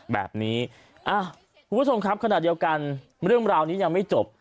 แบบนี้คุณผู้ชมครับขณะเดียวกันเรื่องราวนี้ยังไม่จบ